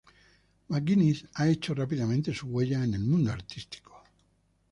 McGinnis ha hecho rápidamente su huella en el mundo artístico.